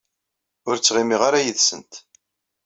Ur ttɣimiɣ ara yid-sent.